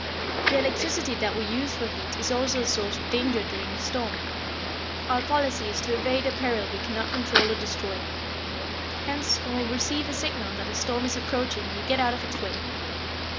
"The electricity that we use for heat is also a source of danger during a storm. Our policy is to evade a peril we cannot control or destroy. Hence, when we receive a signal that a storm is approaching we get out of its way.